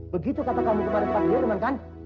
begitu kata kamu kemarin pak